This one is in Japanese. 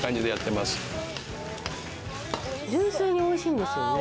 純粋においしいんですよね。